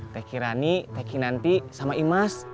teh kirani teh kinanti sama imas